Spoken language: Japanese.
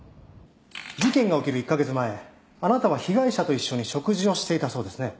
事件が起きる１カ月前あなたは被害者と一緒に食事をしていたそうですね。